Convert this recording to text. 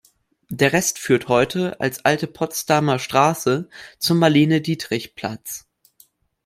Der Rest führt heute als "Alte Potsdamer Straße" zum Marlene-Dietrich-Platz.